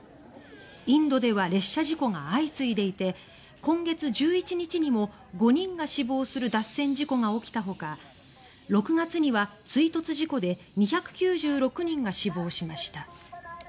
インドでは列車事故が相次いでいて今月１１日にも、５人が死亡する脱線事故が起きたほか６月には追突事故で２９６人が死亡しました。